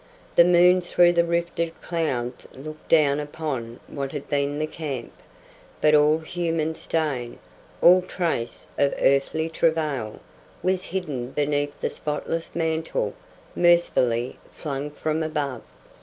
The moon through the rifted clouds looked down upon what had been the camp. But all human stain, all trace of earthly travail, was hidden beneath the spotless mantle mercifully flung from above.